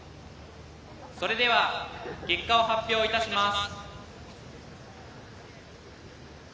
それでは結果を発表いたします。